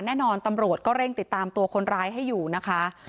แน่นอนตำรวจก็เร่งติดตามตัวคนร้ายให้อยู่นะคะ